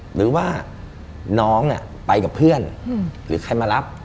หรือว่าน้องไปกับเพื่อนหรือใครมารับ